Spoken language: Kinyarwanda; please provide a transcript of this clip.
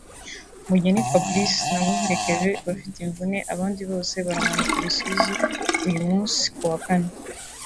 Mugheni Fabrice na Muhire Kevin bafite imvune abandi bose baramanuka i Rusizi uyu munsi (kuwa Kane)